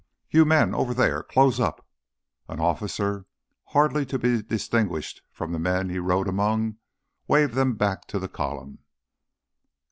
"You men over there close up!" A officer, hardly to be distinguished from the men he rode among, waved them back to the column.